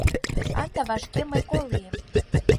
Ынде вашке мый колем: